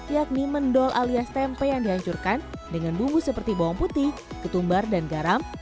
yakni mendol alias tempe yang dihancurkan dengan bumbu seperti bawang putih ketumbar dan garam